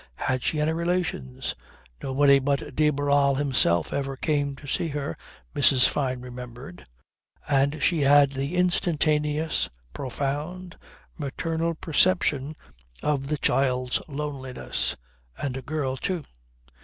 Had she any relations? Nobody but de Barral himself ever came to see her, Mrs. Fyne remembered; and she had the instantaneous, profound, maternal perception of the child's loneliness and a girl too!